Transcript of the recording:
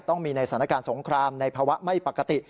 ต้องมีในสถานการณ์สงครามในภาวะไม่ปกติ